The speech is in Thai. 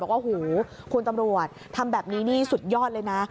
บอกว่าหูคุณตำรวจทำแบบนี้นี่สุดยอดเลยนะ